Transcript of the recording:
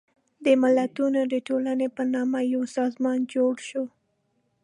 د ملتونو د ټولنې په نامه یو سازمان جوړ شو.